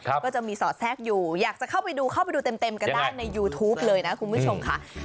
ก็จะมีสอดแทรกอยู่อยากจะเข้าไปดูเข้าไปดูเต็มกันได้ในยูทูปเลยนะคุณผู้ชมค่ะ